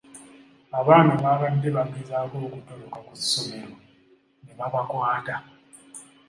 Abaana baabadde bagezaako okutoloka okuva ku ssomero ne babakwata.